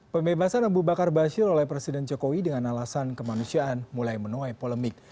pembebasan abu bakar basir oleh presiden jokowi dengan alasan kemanusiaan mulai menuai polemik